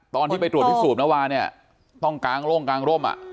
ตอนที่ไปตรวจที่สูบนวาต้องกางโล่งกางร่ม